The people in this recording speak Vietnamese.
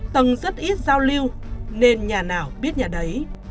tầng rất ít giao lưu nên nhà nào biết nhà đấy